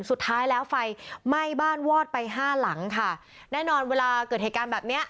สุดท้ายแล้วไฟไหม้บ้านวอดไปห้าหลังค่ะแน่นอนเวลาเกิดเหตุการณ์แบบเนี้ย